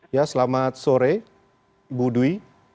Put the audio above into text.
ya selamat sore bu dwi